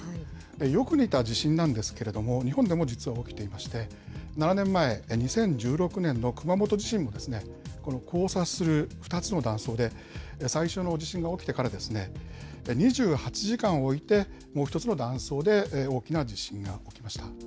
よく似た地震なんですけれども、日本でも実は起きていまして、７年前、２０１６年の熊本地震も、この交差する２つの断層で、最初の地震が起きてから２８時間を置いてもう一つの断層で大きな地震が起きました。